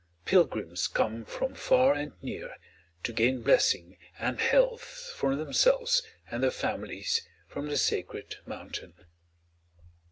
Pilgrims come from far and near, to gain blessing and health for themselves and their families from the sacred mountain.